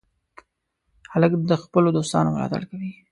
هلک د خپلو دوستانو ملاتړ کوي.